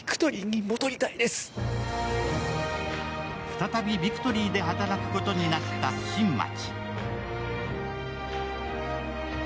再びビクトリーで働くことになった新町。